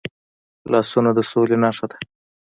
لاسونه د سولې نښه ده